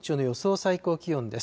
最高気温です。